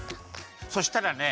そしたらね